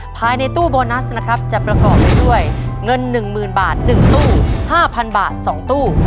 ภายในตู้โบนัสนะครับจะประกอบไปด้วยเงิน๑๐๐๐บาท๑ตู้๕๐๐บาท๒ตู้